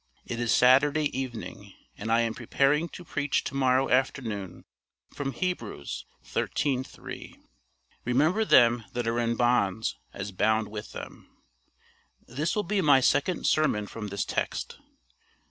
It is Saturday evening, and I am preparing to preach to morrow afternoon from Heb. xiii. 3, "Remember them that are in bonds as bound with them." This will be my second sermon from this text.